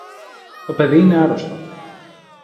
Το παιδί είναι άρρωστο.